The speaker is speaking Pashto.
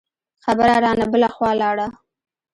خبره رانه بله خوا لاړه.